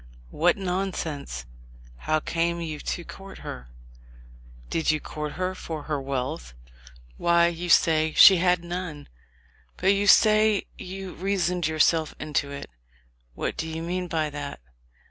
What nonsense ! How came you to court her? ... Did you court her for her wealth ? Why, you say she had none. But you say you reasoned yourself into it. What do you mean by that?